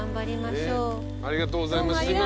ありがとうございます。